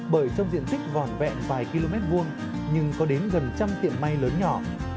bởi trong diện tích vòn vẹn vài km vuông nhưng có đến gần trăm tiệm may lớn nhỏ